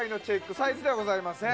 サイズではございません。